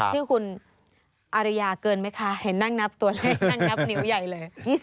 ชื่อคุณอาริยาเกินไหมคะเห็นนั่งนับตัวเลขนั่งนับนิ้วใหญ่เลย